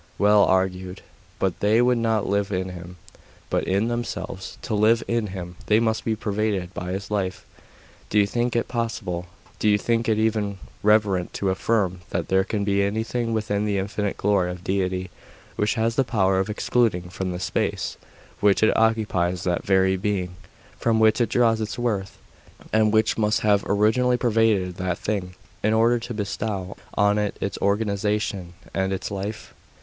'Well argued. But yet they would not live in Him, but in themselves. To live in Him they must be pervaded by His life. Do you think it possible do you think it even reverent to affirm that there can be anything within the infinite glory of Deity which has the power of excluding from the space which it occupies that very being from which it draws its worth, and which must have originally pervaded that thing, in order to bestow on it its organisation and its life?